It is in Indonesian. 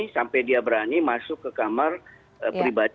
sampai dia berani masuk ke kamar pribadi